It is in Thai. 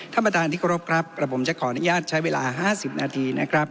ท่านประธานที่กรบครับครับผมจะขออนุญาตใช้เวลาห้าสิบนาทีนะครับ